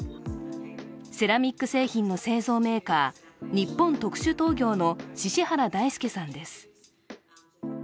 セラミック製品の製造メーカー日本特殊陶業の獅子原大介さんです。